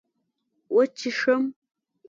وچيښم